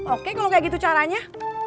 oke kalau kayak gitu caranya